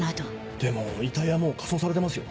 でも遺体はもう火葬されてますよ？